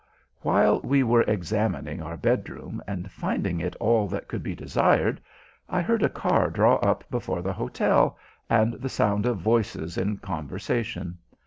While we were examining our bedroom and finding it all that could be desired, I heard a car draw up before the hotel, and the sound of voices in conversation.